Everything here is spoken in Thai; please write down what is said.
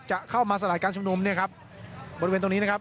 จะเข้ามาสลายการชุมนุมเนี่ยครับบริเวณตรงนี้นะครับ